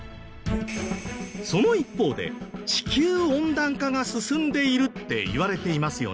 その一方で地球温暖化が進んでいるっていわれていますよね。